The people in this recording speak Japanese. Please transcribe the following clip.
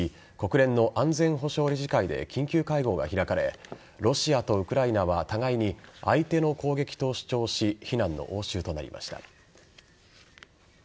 国連の安全保障理事会で緊急会合が開かれロシアとウクライナは互いに相手の攻撃と主張し非難の応酬となりました。